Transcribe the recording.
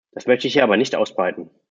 Das möchte ich hier aber nicht ausbreiten.